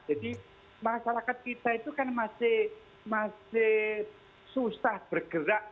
jadi masyarakat kita itu kan masih susah bergerak